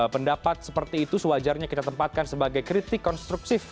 pendapat seperti itu sewajarnya kita tempatkan sebagai kritik konstruksi